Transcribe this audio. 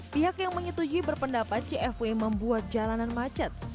pihak yang menyetujui berpendapat cfw membuat jalanan macet